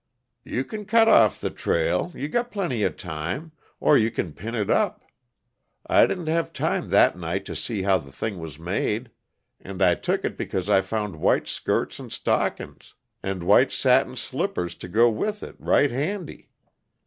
_" "You can cut off the trail you got plenty of time or you can pin it up. I didn't have time that night to see how the thing was made, and I took it because I found white skirts and stockin's, and white satin slippers to go with it, right handy.